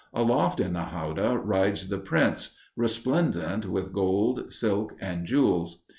Aloft in the howdah rides the prince, resplendent with gold, silk, and jewels.